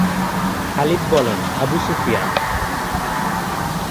খালিদ বলেন– আবু সুফিয়ান!